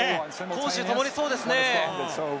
攻守ともにそうですね。